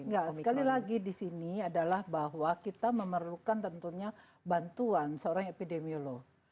enggak sekali lagi di sini adalah bahwa kita memerlukan tentunya bantuan seorang epidemiolog